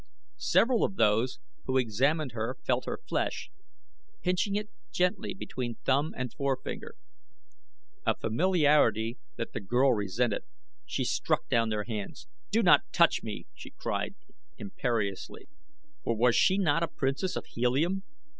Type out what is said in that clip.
Several of those who examined her felt her flesh, pinching it gently between thumb and forefinger, a familiarity that the girl resented. She struck down their hands. "Do not touch me!" she cried, imperiously, for was she not a princess of Helium?